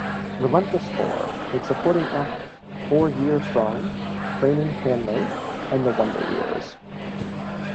Relentless Tour, with supporting acts Four Year Strong, Framing Hanley, and The Wonder Years.